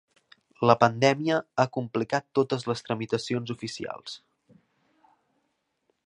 La pandèmia ha complicat totes les tramitacions oficials.